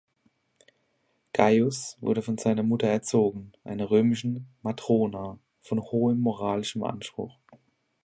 Gaius wurde von seiner Mutter erzogen, einer römischen "Matrona" von hohem moralischem Anspruch.